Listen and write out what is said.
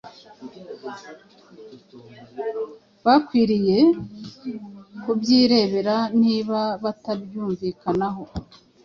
bakwiriye kubyirebera niba batabyumvikanaho